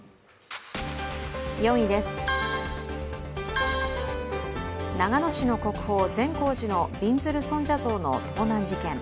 ４位です、長野市の国宝・善光寺のびんずる尊者像の盗難事件。